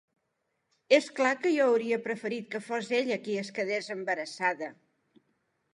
És clar que jo hauria preferit que fos ella qui es quedés embarassada.